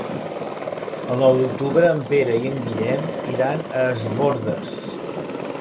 El nou d'octubre en Pere i en Guillem iran a Es Bòrdes.